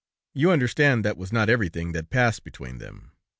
You understand that was not everything that passed between them.